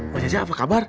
mbak jajah apa kabar